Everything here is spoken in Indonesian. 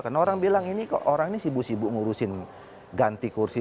karena orang bilang ini kok orang ini sibuk sibuk ngurusin ganti kursi